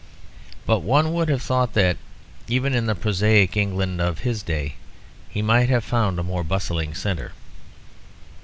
But one would have thought that, even in the prosaic England of his day, he might have found a more bustling centre.